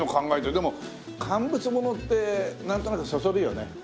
でも乾物ものってなんとなくそそるよね。